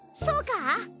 そうか？